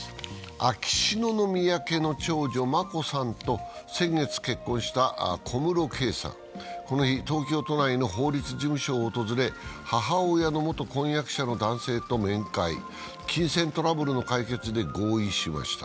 秋篠宮家の長女・眞子さんと先月結婚した小室圭さん、この日東京都内の法律事務所を訪れ母親の元婚約者の男性と面会、金銭トラブルの解決で合意しました。